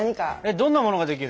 どんなものができる？